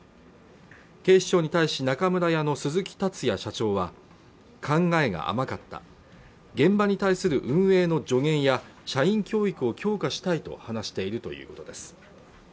警視庁に対し中村屋の鈴木達也社長は考えが甘かった現場に対する運営の助言や社員教育を強化したいと話しているということです